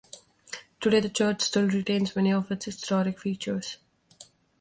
Today the church still retains many of its historic features.